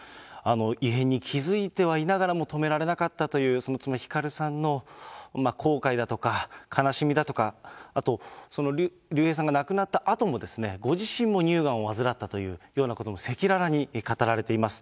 異変に気付いてはいながらも、止められなかったという、その妻、ひかるさんの後悔だとか、悲しみだとか、あと竜兵さんが亡くなったあとも、ご自身も乳がんを患ったというようなことも、赤裸々に語られています。